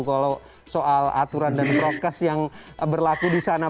kalau soal aturan dan prokes yang berlaku di sana